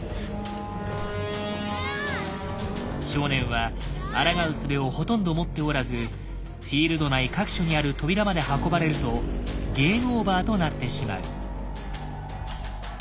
少年はあらがうすべをほとんど持っておらずフィールド内各所にある扉まで運ばれるとゲームオーバーとなってしまう。